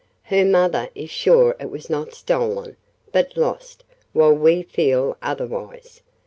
Her mother is sure it was not stolen, but lost, while we feel otherwise.